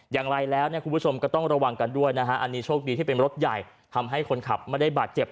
อย่างไรแล้วเนี่ยคุณผู้ชมก็ต้องระวังกันด้วยนะฮะอันนี้โชคดีที่เป็นรถใหญ่ทำให้คนขับไม่ได้บาดเจ็บ